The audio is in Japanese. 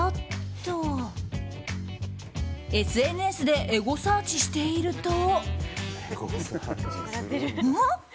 ＳＮＳでエゴサーチしていると。